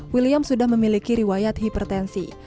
william sudah memiliki riwayat hipertensi